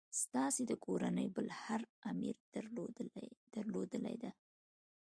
ستاسي د کورنۍ بل هر امیر درلودلې ده.